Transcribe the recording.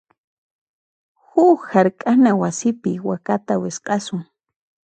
Huk hark'ana wasipi wakata wisq'asun.